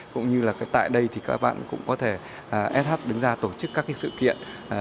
cũng như là tại đây thì các bạn cũng có thể s hop đứng ra tổ chức các cái sự kiện